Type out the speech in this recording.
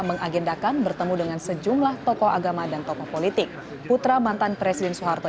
mengagendakan bertemu dengan sejumlah tokoh agama dan tokoh politik putra mantan presiden soeharto